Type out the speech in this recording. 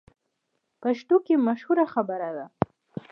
پښتو کې مشهوره خبره ده: